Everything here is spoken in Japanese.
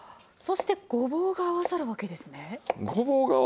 そしてごぼうが合わさるわけですね。